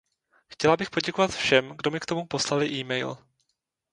Chtěla bych poděkovat všem, kdo mi k tomu poslali e-mail.